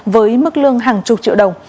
với mức lương hàng chục triệu đồng